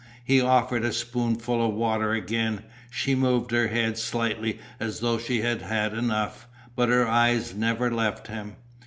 He offered a spoonful of water again, she moved her head slightly as though she had had enough, but her eyes never left him.